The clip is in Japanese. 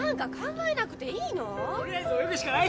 とりあえず泳ぐしかないっしょ。